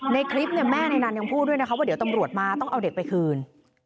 ในคลิปเนี่ยแม่ในนั้นยังพูดด้วยนะคะว่าเดี๋ยวตำรวจมาต้องเอาเด็กไปคืน